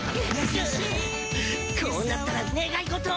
こうなったら願い事を！